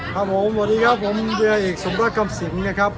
ครับผมสวัสดีครับผมเดี๋ยวอีกสมรักคำสิงค์เนี่ยครับ